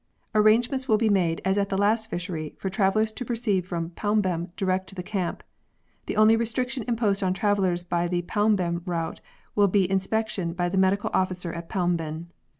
Arrangements will be made as at the last fishery for travellers to proceed from Paumben direct to the Camp. The only restriction imposed on travellers by the Paumben route will be inspection by the Medical Officer at Paumben.